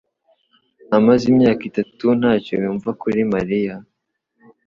amaze imyaka irenga itatu ntacyo yumva kuri Mariya